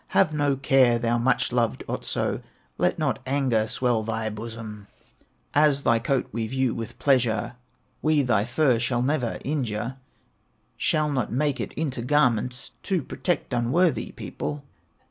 Have no care, thou much loved Otso, Let not anger swell thy bosom As thy coat we view with pleasure; We thy fur shall never injure, Shall not make it into garments To protect unworthy people."